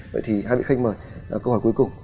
vậy thì hai vị khách mời câu hỏi cuối cùng